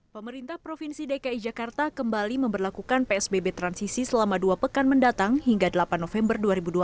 pemerintah provinsi dki jakarta kembali memperlakukan psbb transisi selama dua pekan mendatang hingga delapan november dua ribu dua puluh